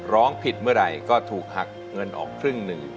ร้องผิดเมื่อไหร่ก็ถูกหักเงินออกครึ่งหนึ่ง